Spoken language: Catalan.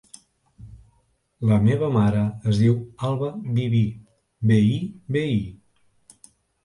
La meva mare es diu Alba Bibi: be, i, be, i.